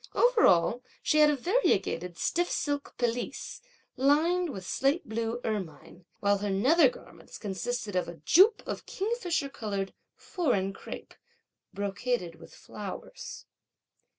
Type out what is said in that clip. Over all, she had a variegated stiff silk pelisse, lined with slate blue ermine; while her nether garments consisted of a jupe of kingfisher colour foreign crepe, brocaded with flowers.